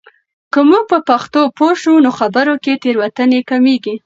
که موږ په پښتو پوه شو، نو خبرو کې تېروتنې کمېږي.